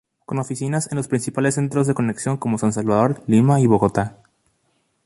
Con oficinas en los principales centros de conexión como San Salvador, Lima y Bogotá.